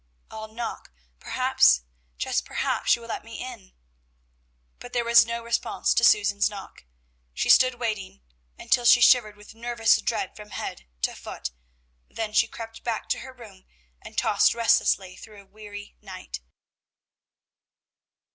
"I'll knock! Perhaps, just perhaps, she will let me in;" but there was no response to Susan's knock. She stood waiting until she shivered with nervous dread from head to foot, then she crept back to her room, and tossed restlessly through a weary night.